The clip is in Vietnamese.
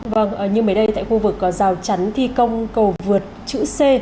vâng nhưng mới đây tại khu vực có rào chắn thi công cầu vượt chữ c